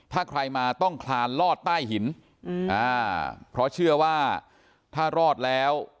ถ้าใครมาต้องคลานลอดใต้หินเพราะเชื่อว่าถ้ารอดแล้ว